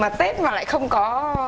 mà tết mà lại không có